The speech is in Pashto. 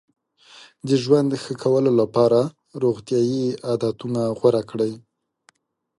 د ژوند ښه کولو لپاره روغتیایي عادتونه غوره کړئ.